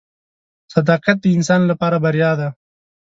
• صداقت د انسان لپاره بریا ده.